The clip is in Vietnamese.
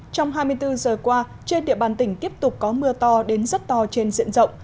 trong hai mươi bốn giờ qua trên địa bàn tỉnh tiếp tục có mưa to đến rất to trên diện rộng